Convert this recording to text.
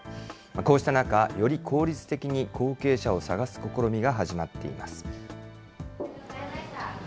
こうした中、より効率的に後継者を探す試みが始まっています。